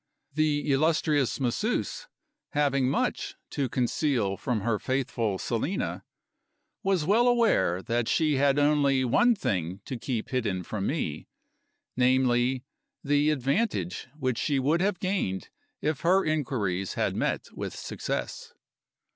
The illustrious Masseuse, having much to conceal from her faithful Selina, was well aware that she had only one thing to keep hidden from me; namely, the advantage which she would have gained if her inquiries had met with success.